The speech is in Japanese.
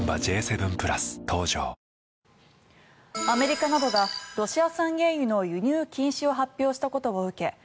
アメリカなどがロシア産原油の輸入禁止を発表したこと受け